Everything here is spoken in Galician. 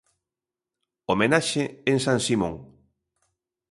Homenaxe en San Simón.